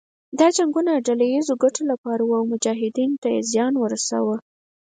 دا جنګونه د ډله ييزو ګټو لپاره وو او مجاهدینو ته يې زیان ورساوه.